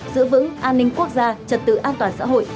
giữ vững an ninh quốc gia trật tự an toàn xã hội